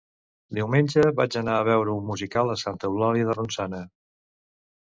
Diumenge vaig anar a veure un musical a Santa Eulàlia de Ronçana